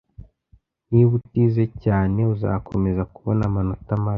Niba utize cyane, uzakomeza kubona amanota mabi.